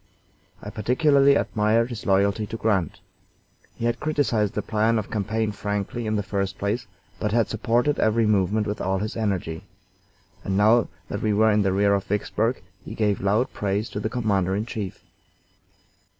I particularly admired his loyalty to Grant. He had criticised the plan of campaign frankly in the first place, but had supported every movement with all his energy, and now that we were in the rear of Vicksburg he gave loud praise to the commander in chief.